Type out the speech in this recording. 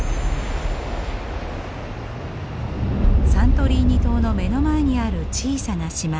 サントリーニ島の目の前にある小さな島ネア・カメニ。